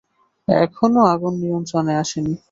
এখনো আগুন নিয়ন্ত্রণে আসেনি।